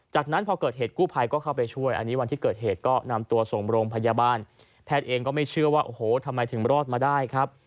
จากนั้นพอเกิดเหตุกู้ภัยก็เข้าไปช่วยอันนี้วันที่เกิดเหตุก็นำตัวส่งโรงพยาบาลแพทย์เองก็ไม่เชื่อว่าโอ้โหทำไมถึงรอดมาได้ครับ